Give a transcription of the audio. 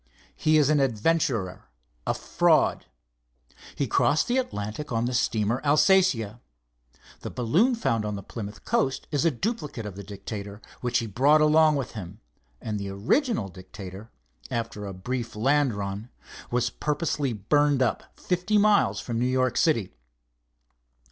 "He is an adventurer, a fraud. He crossed the Atlantic on the steamer Alsatia. The balloon found on the Plymouth coast is a duplicate of the Dictator which he brought along with him, and the original Dictator, after a brief land run, was purposely burned up fifty miles from New York city."